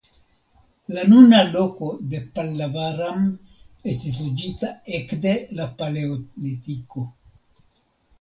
La nuna loko de Pallavaram estis loĝita ekde la paleolitiko.